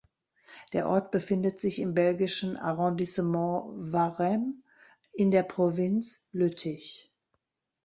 Der Ort befindet sich im belgischen Arrondissement Waremme in der Provinz Lüttich.